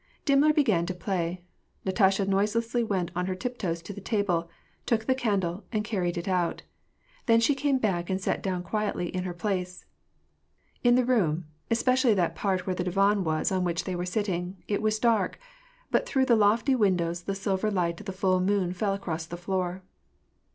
Dimmler began to play. Natasha noiselessly went on her tiptoes to the table, took the candle, and carried it out; then she came back and sat down quietly in her place. In the room, especially that part where the divan was on which they were sitting, it was dark, but through the lofty windows the silver light of the full moon fell across the floor.